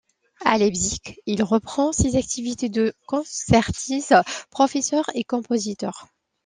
À Leipzig, il reprend ses activités de concertiste, professeur et compositeur.